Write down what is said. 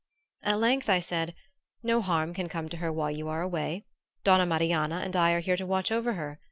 At length I said: "No harm can come to her while you are away. Donna Marianna and I are here to watch over her.